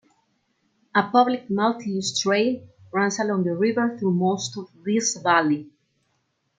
A public multiuse trail runs along the river through most of this valley.